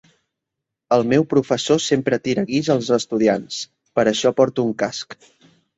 El meu professor sempre tira guix als estudiants, per això porto un casc.